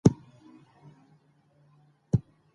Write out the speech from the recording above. ځینې خواړه د مېندوارۍ په صحت اغېزه لري.